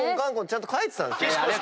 ちゃんと書いてたんですよ。